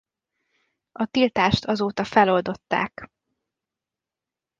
A tiltást azóta feloldották.